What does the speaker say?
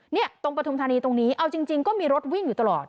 เนี่ยตรงปฐุมธานีตรงนี้เอาจริงก็มีรถวิ่งอยู่ตลอด